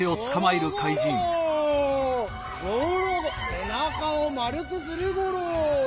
せなかをまるくするゴロ。